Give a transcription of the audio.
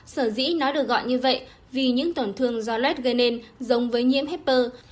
sở dĩ nó được gọi như vậy vì những tổn thương do lết gây nên giống với nhiễm hepper